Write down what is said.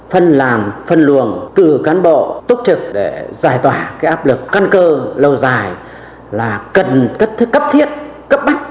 phân làm phân luồng cử cán bộ tốt trực để giải tỏa cái áp lực căn cơ lâu dài là cần cấp thứ cấp thiết cấp bách